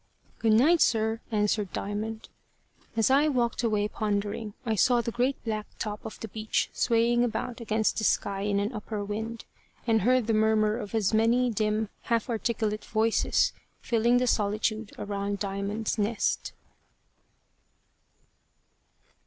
"Good night, sir," answered Diamond. As I walked away pondering, I saw the great black top of the beech swaying about against the sky in an upper wind, and heard the murmur as of many dim half articulate voices filling the solitude around Diamond's nest.